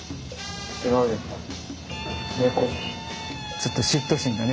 ちょっと嫉妬心がね